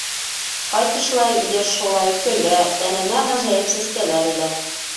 Ҡайтышлай йыш һулай, көлә, тәненә ғәжәйеп сәскәләр элә.